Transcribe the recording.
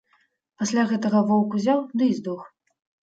Пасля гэтага воўк узяў ды і здох.